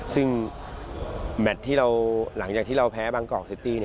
ซึ่งแมทที่เราหลังจากที่เราแพ้บางกอกซิตี้